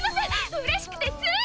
うれしくてつい。